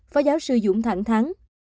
phó giáo sư dũng thẳng thắng